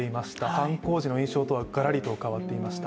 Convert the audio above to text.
犯行時の印象とはガラリと変わっていました。